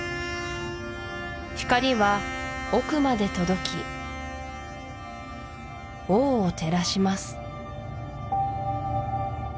光は奥まで届き王を照らします